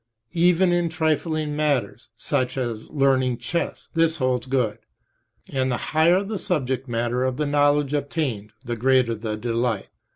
Even in trifling matters, such, as learning chess, this holds good, and the higher the subject matter of the knowledge obtained the greater the delight.